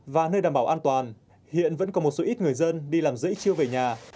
và nơi đảm bảo an toàn hiện vẫn có một số ít người dân đi làm dễ chiêu về nhà